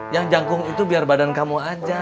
yang jangkung itu biar badan kamu aja